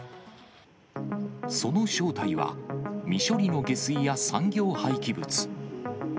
その正体は、未処理の下水や産業廃棄物。